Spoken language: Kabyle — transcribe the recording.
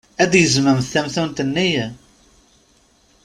Ad d-gezmemt tamtunt-nni?